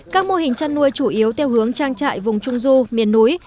các mô hình chăn nuôi chủ yếu theo hướng trang trại vùng trung du miền núi